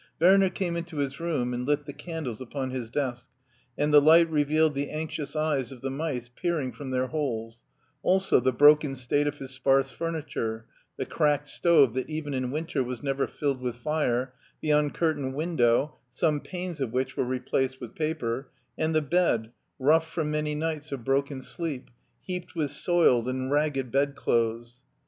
r34 HEIDELBERG 35 Werner came into his room and lit the candles upon his desk, and the light revealed the anxious eyes of the mice peering from their holes, also the broken state of his sparse furniture, the cradced stove that even in winter was never filled with fire, the tmcurtained win dow, some panes of which were replaced with paper, and the bed, rough from many nights of broken sleep, heaped with soiled and ragged bedclothes.